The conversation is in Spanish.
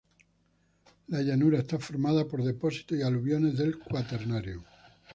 La llanura está formada por depósitos y aluviones del Cuaternario.